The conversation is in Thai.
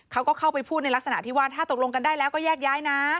เขาก็เข้าไปพูดในลักษณะที่ว่าถ้าตกลงกันได้แล้วก็แยกย้ายนะ